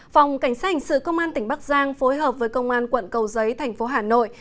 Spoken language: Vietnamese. phòng cảnh sát hành sự công an tỉnh bắc giang phối hợp với công an quận cầu giấy tp hà nội